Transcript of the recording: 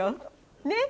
ねっ？